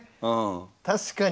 確かに。